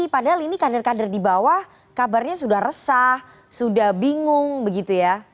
padahal ini kader kader di bawah kabarnya sudah resah sudah bingung begitu ya